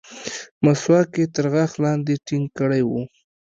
مسواک يې تر غاښ لاندې ټينګ کړى و.